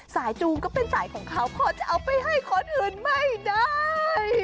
จูงก็เป็นสายของเขาพอจะเอาไปให้คนอื่นไม่ได้